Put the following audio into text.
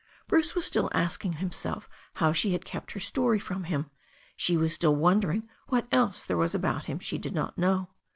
Bruce was still asking himself how she had kept her story from him. She was still wondering what else there was about him she did not know.